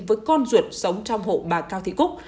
với con ruột sống trong hộ bà cao thị cúc